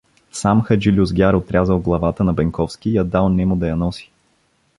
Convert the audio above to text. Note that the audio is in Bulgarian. Сам хаджи Люзгяр отрязал главата на Бенковски и я дал нему да я носи.